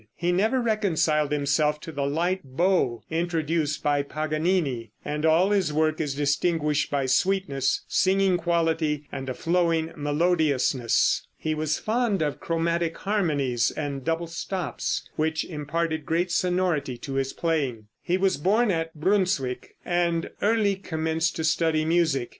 He never reconciled himself to the light bow introduced by Paganini, and all his work is distinguished by sweetness, singing quality and a flowing melodiousness. He was fond of chromatic harmonies and double stops, which imparted great sonority to his playing. He was born at Brunswick, and early commenced to study music.